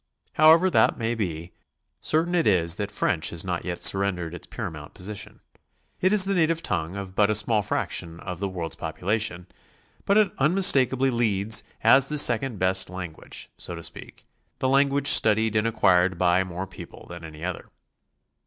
However that may be, certain it is that French has not yet surrendered its paramount position. It is the native tongue of but a sni'all fraction of the world's population, but it unmistakably leads as the second best language, so to speak, the language studied and acquired by more people than any other.